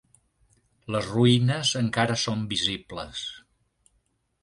Les ruïnes encara són visibles.